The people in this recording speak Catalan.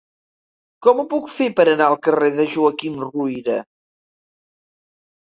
Com ho puc fer per anar al carrer de Joaquim Ruyra?